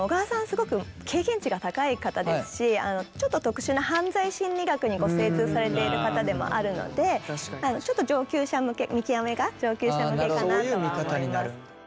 すごく経験値が高い方ですしちょっと特殊な犯罪心理学にご精通されている方でもあるのでちょっと見極めが上級者向けかなとは思います。